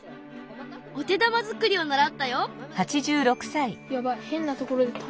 お手玉作りを習ったよ。